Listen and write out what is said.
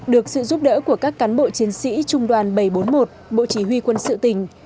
được sự giúp đỡ của các cán bộ chiến sĩ trung đoàn bảy trăm bốn mươi một bộ chỉ huy quân sự tỉnh